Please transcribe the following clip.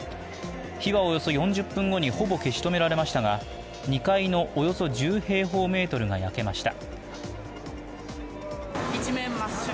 火はおよそ４０分後にほぼ消し止められましたが、２階のおよそ１０平方メートルが焼けました。